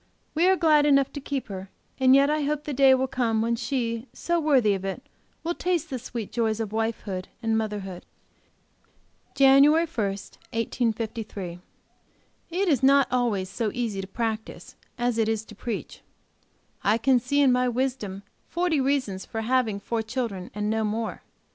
We are glad enough to keep her; and yet I hope the day will come when she, so worthy of it, will taste the sweet joys of wifehood and motherhood. JANUARY 1, 1853. It is not always so easy to practice, as it is to preach. I can see in my wisdom forty reasons for having four children and no more.